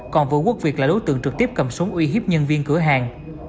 còn vũ quốc việt là đối tượng trực tiếp cầm súng uy hiếp nhân viên cửa hàng